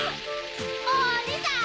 おにさん